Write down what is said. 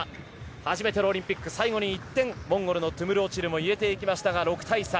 初めてのオリンピック最後に１点モンゴルのトゥムル・オチルも入れていきましたが６対３。